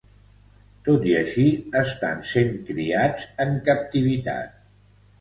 Tot i així, estan sent criats en captivitat.